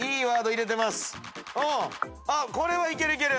これはいけるいける！